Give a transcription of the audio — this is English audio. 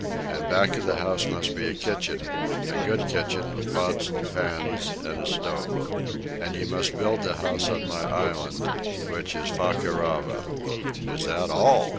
And back of the house must be a kitchen, a good kitchen, with pots and pans and a stove. And you must build the house on my island, which is Fakarava." "Is that all?"